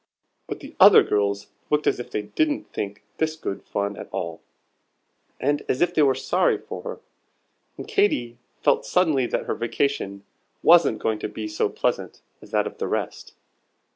But the other girls looked as if they didn't think this good fun at all, and as if they were sorry for her; and Katy felt suddenly that her vacation wasn't going to be so pleasant as that of the rest.